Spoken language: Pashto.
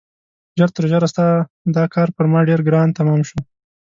ژر تر ژره ستا دا کار پر ما ډېر ګران تمام شو.